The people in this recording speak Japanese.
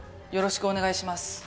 よろしくお願いします。